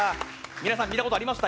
皆さん、見たことありました？